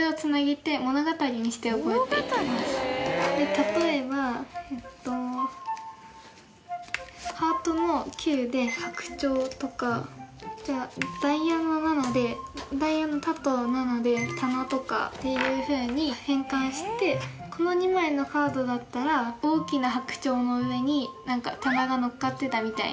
例えばえっとハートの９で「白鳥」とかダイヤの７で「ダイヤ」の「た」と「７」で「棚」とかっていうふうに変換してこの２枚のカードだったら「大きな白鳥の上に棚が乗っかってた」みたいな